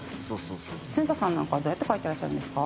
常田さんなんかはどうやって書いてらっしゃるんですか？